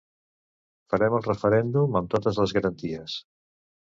Farem el referèndum amb totes les garanties.